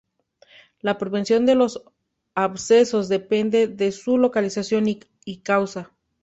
La prevención de los abscesos depende de su localización y causa.